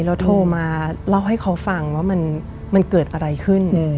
แล้วโทรมาเล่าให้เขาฟังว่ามันเกิดอะไรขึ้น